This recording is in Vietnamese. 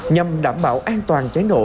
nhằm đảm bảo an toàn trái nổ